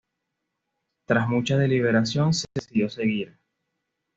Tras mucha deliberación, se decidió seguir.